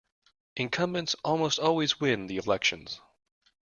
Incumbents almost always win the elections.